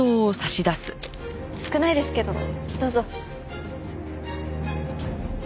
少ないですけどどうぞ。